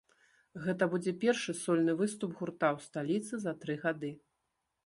Гэта будзе першы сольны выступ гурта ў сталіцы за тры гады.